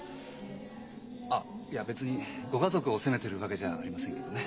あっいや別にご家族を責めてるわけじゃありませんけどね。